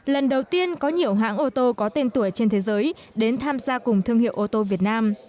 lần đầu tiên có nhiều hãng ô tô có tên tuổi trên thế giới đến tham gia cùng thương hiệu ô tô việt nam